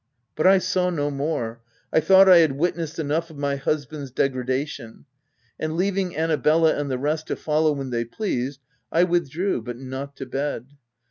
But I saw no more : I thought I had witnessed enough of my husband's degradation ; and, leaving Annabella and the rest to follow when they pleased, I withdrew — but not to bed.